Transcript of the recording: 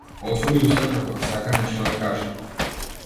Отвори уста како да сака нешто да каже.